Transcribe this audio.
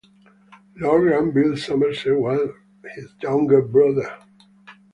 Lord Granville Somerset was his younger brother.